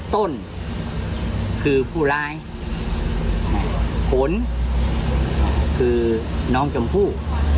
ต้นคือผู้ร้ายผลคือน้องชมพู่